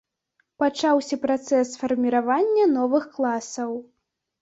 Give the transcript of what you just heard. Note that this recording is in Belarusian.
Пачаўся працэс фарміравання новых класаў.